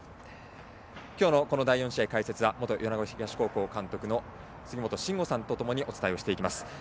今日の第４試合の解説は元米子東高校監督の杉本真吾さんとともにお伝えをしていきます。